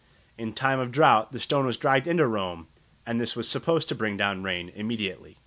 _ In time of drought the stone was dragged into Rome, and this was supposed to bring down rain immediatel